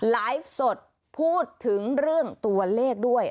ไลฟ์สดพูดถึงเรื่องตัวเลขด้วย